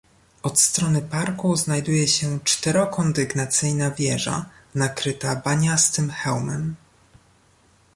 Od strony parku znajduje się czterokondygnacyjna wieża nakryta baniastym hełmem.